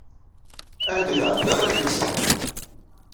Anda tɛeddaḍ ad k-id-ẓren.